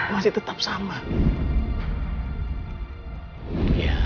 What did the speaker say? masih tetap sama